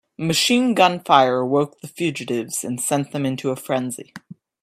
Machine gun fire awoke the fugitives and sent them into a frenzy.